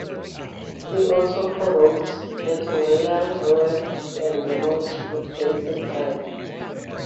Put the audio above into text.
He also co-wrote "Getting Real", "Rework", and "Remote" with Jason Fried.